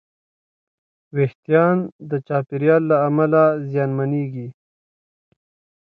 وېښتيان د چاپېریال له امله زیانمنېږي.